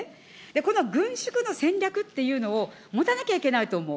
この軍縮の戦略っていうのを、持たなきゃいけないと思う。